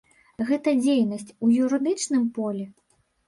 Гэта дзейнасць у юрыдычным полі?